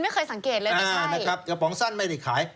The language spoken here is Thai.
กระป๋องสั้นไม่ได้ขาย